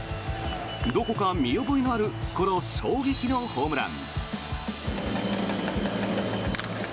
どこか見覚えのあるこの衝撃のホームラン。